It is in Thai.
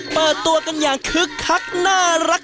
เปิดตัวกันอย่างคึกคักน่ารัก